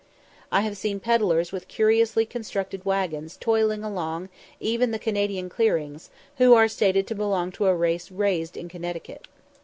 I have seen pedlars with curiously constructed waggons toiling along even among the Canadian clearings, who are stated to belong to a race "raised" in Connecticut.